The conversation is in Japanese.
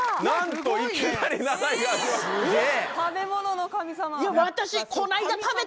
食べ物の神様。